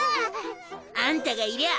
あんたがいりゃあ